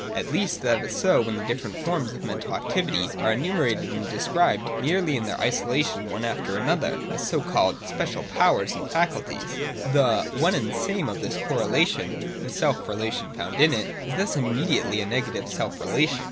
At least that is so, when the different forms of rrtental activity are enumerated and described merely in their isolation one after another, as so called special powers and faculties. 136.J (/3) The one and same of this correlation (the self relation found in it) is thus immediately a negative self relation.